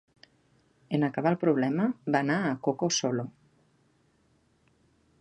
En acabar el problema, va anar a Coco Solo.